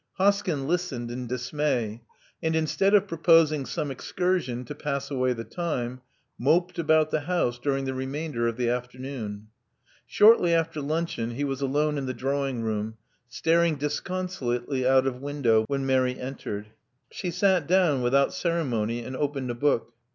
Hoskyn listened in dismay, and instead of proposing some excursion to pass away the time, moped about the house during the remainder of the afternoon. Shortly after luncheon he was alone in the drawing room, staring disconsolately out of win dow, when Mary entered. She sat down without ceremony, and opened a book.